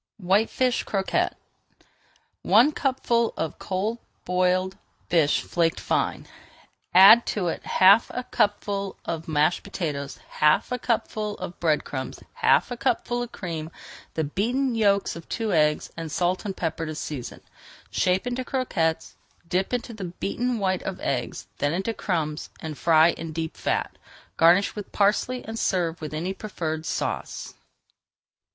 WHITEFISH CROQUETTES One cupful of cold boiled fish flaked fine. [Page 449] Add to it half a cupful of mashed potatoes, half a cupful of bread crumbs, half a cupful of cream, the beaten yolks of two eggs, and salt and pepper to season. Shape into croquettes, dip into the beaten white of eggs, then into crumbs, and fry in deep fat. Garnish with parsley and serve with any preferred sauce.